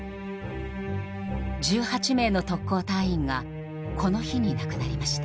１８名の特攻隊員がこの日に亡くなりました。